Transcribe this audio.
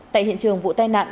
tại hiện trường vụ tai nạn